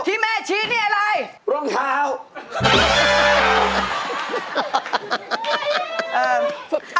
ที่แม่ชี้นี่อะไรรองเท้า